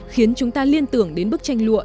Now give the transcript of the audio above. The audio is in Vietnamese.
khiến chúng ta liên tưởng đến bức tranh lụa